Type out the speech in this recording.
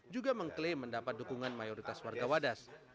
juga mengklaim mendapat dukungan mayoritas warga wadas